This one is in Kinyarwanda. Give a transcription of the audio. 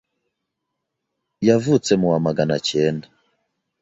yavutse mu wa maganakenda